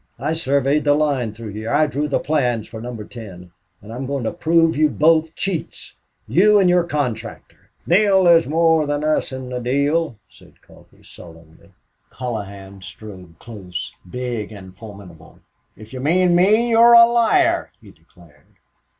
I surveyed the line through here. I drew the plans for Number Ten. And I'm going to prove you both cheats. You and your contractor." "Neale, there's more than us in the deal," said Coffee sullenly. Colohan strode close, big and formidable. "If you mean me, you're a liar," he declared.